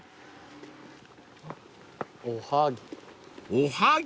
おはぎ。